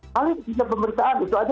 paling pemberitaan itu aja